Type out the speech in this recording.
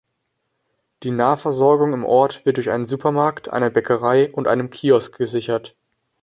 Die Nahversorgung im Ort wird durch einen Supermarkt, eine Bäckerei und einem Kiosk gesichert.